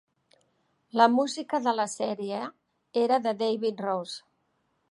La música de la sèrie era de David Rose.